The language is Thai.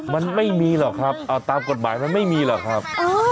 มันไม่มีหรอกครับเอาตามกฎหมายมันไม่มีหรอกครับ